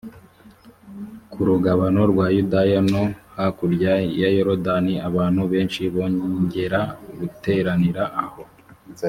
ku rugabano rwa yudaya no hakurya ya yorodani abantu benshi bongera guteranira aho